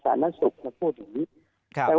การให้นี้ก็จะเป็นคำเท่าไรน่ะ